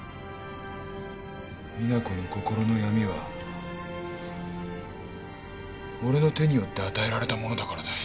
実那子の心の闇は俺の手によって与えられたものだからだよ。